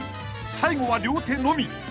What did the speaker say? ［最後は両手のみ］